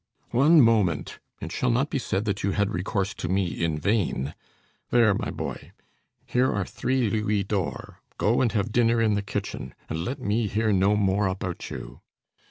"One moment! It shall not be said that you had recourse to me in vain. There, my boy, here are three louis d'or: go and have dinner in the kitchen, and let me hear no more about you."